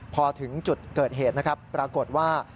พอถึงจุดเกิดเหตุนะครับปรากฏว่า